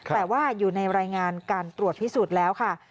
แต่ว่าอยู่ในรายงานการตรวจพิสูจน์แล้วค่ะ